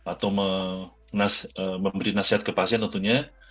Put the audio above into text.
atau memberi nasihat ke pasien tentunya